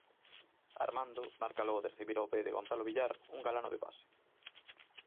Armando marca logo de recibir ao pé de Gonzalo Villar un galano de pase.